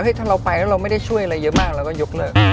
ถ้าเราไปแล้วเราไม่ได้ช่วยอะไรเยอะมากเราก็ยกเลิก